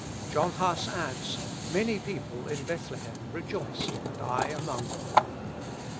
John Huss adds, "Many people in Bethlehem rejoiced, and I among them."